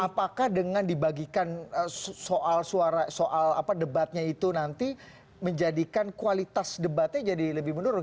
apakah dengan dibagikan soal debatnya itu nanti menjadikan kualitas debatnya jadi lebih menurun